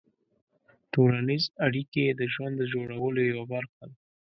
ټولنیز اړیکې د ژوند د جوړولو یوه برخه ده.